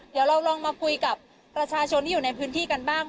เดี๋ยวเราลองมาคุยกับประชาชนที่อยู่ในพื้นที่กันบ้าง